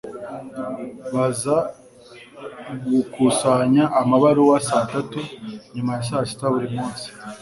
baza gukusanya amabaruwa saa tatu nyuma ya saa sita buri munsi